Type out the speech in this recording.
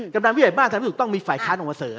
กำลังวิทยาละท่านบ้านทำไมต้องมีฝ่ายค้านออกมาเสิร์